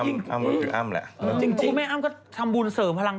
ตอนนี้นางเอกที่มันแรงใครบ้าง